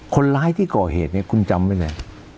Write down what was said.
คนร้ายที่ก่อเหตุเนี่ยคุณจำไว้เลย